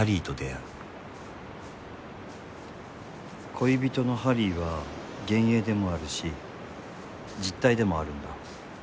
恋人のハリーは幻影でもあるし実体でもあるんだ。